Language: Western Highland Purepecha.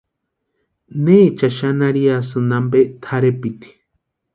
¿Neechani xani arhiasïni ampe tʼarhepiti?